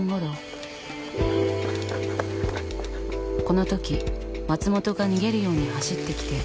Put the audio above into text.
このとき松本が逃げるように走ってきて。